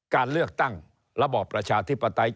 การเลือกตั้งระบอบประชาธิปไตย